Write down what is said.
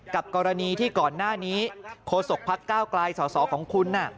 กรณีที่ก่อนหน้านี้โคศกพักก้าวกลายสอสอของคุณ